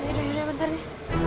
yaudah yaudah bentar ya